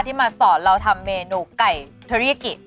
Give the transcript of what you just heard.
ที่มาสอนเราทำเมนูไก่เทอรี่กิ